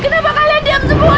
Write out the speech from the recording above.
kenapa kalian diam semua